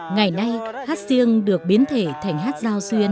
ngày nay hát riêng được phỏng tác từ giai điệu phụ nữ khóc than vì chồng chết